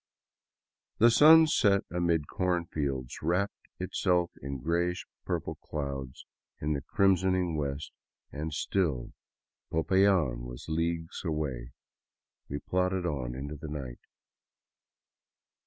The sun set amid corn fields, wrapping itself in grayish purple clouds in the crimsoning west, and still Popayan was leagues away. We plodded on into the night.